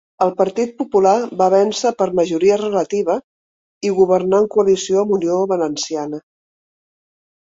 El Partit Popular va vèncer per majoria relativa i governà en coalició amb Unió Valenciana.